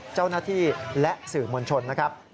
เจ้าหน้าที่และสื่อมวลชนนะครับ